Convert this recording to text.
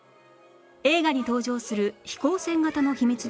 映画に登場する飛行船型のひみつ